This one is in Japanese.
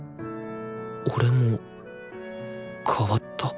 俺も変わった？